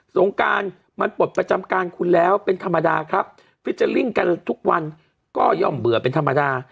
สงการมันปลดประจำการคุณแล้วเป็นธรรมดาครับฟิเจอร์ลิ่งกันทุกวันก็ย่อมเบื่อเป็นธรรมดา